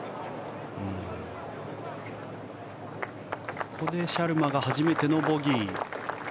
ここでシャルマが初めてのボギー。